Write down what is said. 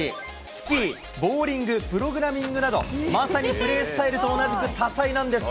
スキー、ボウリング、プログラミングなど、まさにプレースタイルと同じく多才なんです。